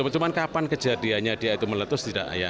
cuman kapan kejadiannya dia itu meletus